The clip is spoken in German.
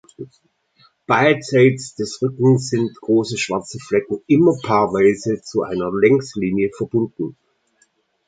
Beidseits des Rückens sind große schwarze Flecken immer paarweise zu einer Längslinie verbunden.